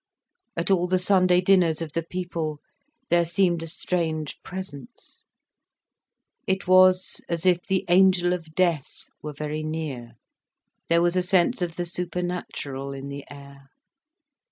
At all the Sunday dinners of the people, there seemed a strange presence. It was as if the angel of death were very near, there was a sense of the supernatural in the air.